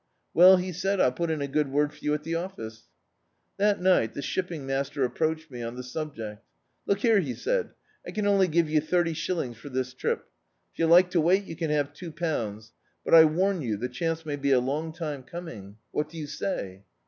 "Well," he said, "I'll put in a good word for you at die office." That ni^t the shipping master approached me on the subjecL "Look here," he said, "I can only ^vc you thirty shillings for this trip. If you like to wait, you can have two pounds, but I warn you, the chance may be a long time coming. What do yoti say?"